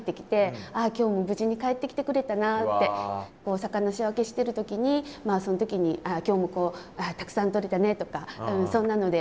魚仕分けしてる時にその時に「今日もたくさんとれたね」とかそんなので。